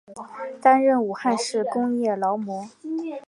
担任武汉市工业劳模。